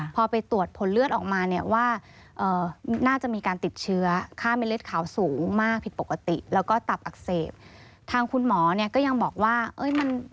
พอไปตรวจผลเลือดออกมาว่าน่าจะมีการติดเชื้อ